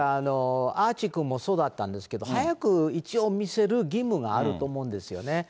アーチーくんもそうだったんですが、早く一応見せる義務があると思うんですよね。